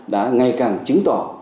đã ngày càng chứng tỏ